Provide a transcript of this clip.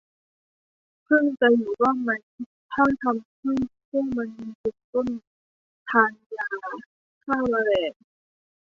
ผึ้งจะอยู่รอดไหมถ้าเราทำให้พวกมันมีภูมิต้นทานยาฆ่าแมลง